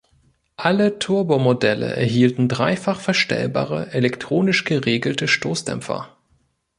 Alle Turbo-Modelle erhielten dreifach verstellbare, elektronisch geregelte Stoßdämpfer.